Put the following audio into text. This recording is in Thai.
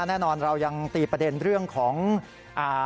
แน่นอนเรายังตีประเด็นเรื่องของอ่า